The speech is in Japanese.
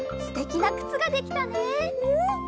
すてきなくつができたね。